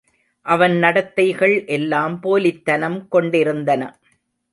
அவன் நடத்தைகள் எல்லாம் போலித்தனம் கொண்டிருந்தன.